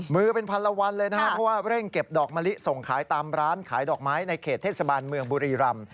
มือเป็นพันละวันเลยนะครับเพราะว่าเร่งเก็บดอกมะลิส่งขายตามร้านขายดอกไม้ในเขตเทศบาลเมืองบุรีรำ